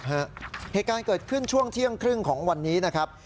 เหตุการณ์เกิดขึ้นช่วงเที่ยงครึ่งของวันนี้นะครับ